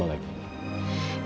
gak diangkat pak ana udah coba